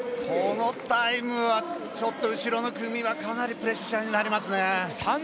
このタイムは後ろの組はかなりプレッシャーになりますね。